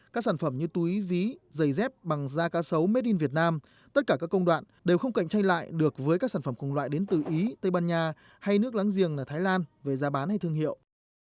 các sản phẩm như túi ví giày dép bằng da cá sấu made in việt nam tất cả các công đoạn đều không cạnh tranh lại được với các sản phẩm cùng loại đến từ ý tây ban nha hay nước láng giềng ở thái lan về giá bán hay thương hiệu